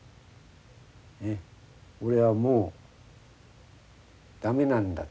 「俺はもう駄目なんだ」と。